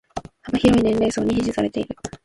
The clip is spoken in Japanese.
幅広い年齢層に支持されてる